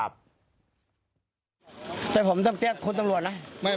ไปผมตั้งเจอคนตังลวดนะ